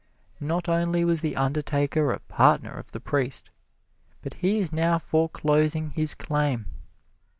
Not only was the undertaker a partner of the priest, but he is now foreclosing his claim.